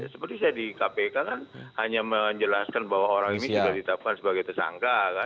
seperti saya di kpk kan hanya menjelaskan bahwa orang ini sudah ditetapkan sebagai tersangka kan